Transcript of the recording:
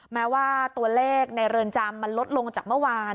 แม้ว่าตัวเลขในเรือนจำมันลดลงจากเมื่อวาน